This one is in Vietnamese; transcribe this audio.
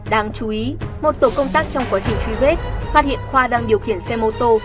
đáng chú ý một tổ công tác trong quá trình truy vết phát hiện khoa đang điều khiển xe mô tô